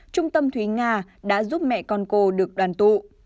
trung tâm thúy nga đã giúp mẹ con cô được đoàn tụ